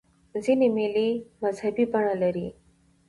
ځیني مېلې مذهبي بڼه لري.